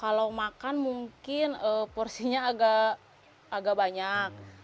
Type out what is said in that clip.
kalau makan mungkin porsinya agak banyak